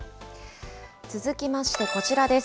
続きまして、こちらです。